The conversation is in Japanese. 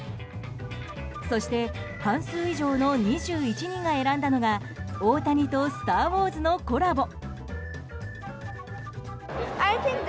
そして半数以上の２１人が選んだのが大谷と「スター・ウォーズ」のコラボ。